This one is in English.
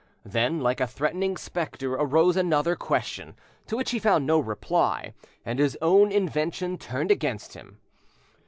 Then, like a threatening spectre, arose another question, to which he found no reply, and his own invention turned against him.